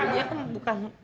dia kan bukan